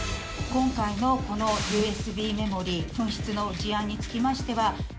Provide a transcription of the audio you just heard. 今回のこのＵＳＢメモリー紛失の事案につきましては。